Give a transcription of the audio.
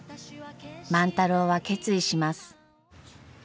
万太郎は決意します。